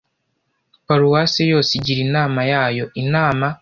Paruwase yose igira inama yayo Inama